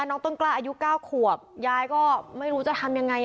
น้องต้นกล้าอายุ๙ขวบยายก็ไม่รู้จะทำยังไง